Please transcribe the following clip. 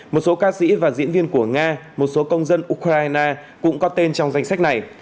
một số ca sĩ và diễn viên của nga một số công dân ukraine cũng có tên trong danh sách này